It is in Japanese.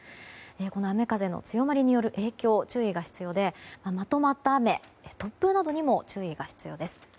この雨風の強まりによる影響注意が必要でまとまった雨、突風などにも注意が必要です。